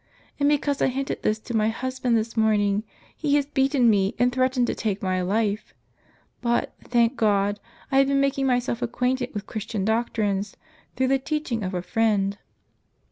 And because I hinted this to my husband this morning, he has beaten me, and threatened to take my life. But, thank God, I have been making myself acquainted with Christian doctrines, through the teaching of a friend."